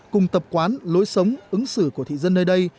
cùng tập quán lối sống ứng xử của thị dân nơi đây